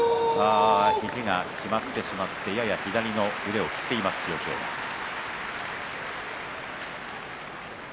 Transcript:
肘がきまってしまってやや左の腕を振っている千代翔馬です。